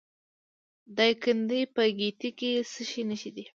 د دایکنډي په ګیتي کې د څه شي نښې دي؟